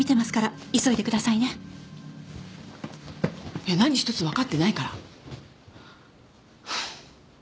いや何一つわかってないから。